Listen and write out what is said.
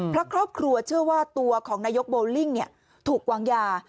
เพราะครอบครัวเชื่อว่าตัวของนายกโบลิ่งถูกวางยา